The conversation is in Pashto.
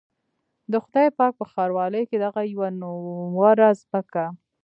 د خدای پاک په ښاروالۍ کې دغه يوه نومره ځمکه.